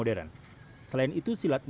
dan juga olimpiade